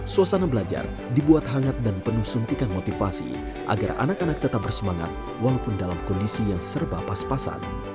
suasana belajar dibuat hangat dan penuh suntikan motivasi agar anak anak tetap bersemangat walaupun dalam kondisi yang serba pas pasan